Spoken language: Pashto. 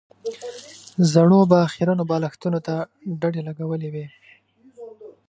زړو به خيرنو بالښتونو ته ډډې لګولې وې.